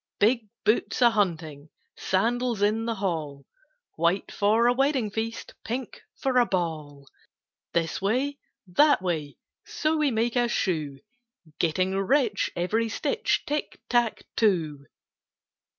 "Big boots a hunting, Sandals in the hall, White for a wedding feast, Pink for a ball. This way, that way, So we make a shoe; Getting rich every stitch, Tick tack too!"